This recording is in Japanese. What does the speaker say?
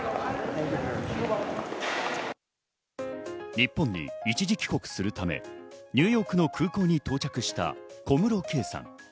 日本に一時帰国するため、ニューヨークの空港に到着した小室圭さん。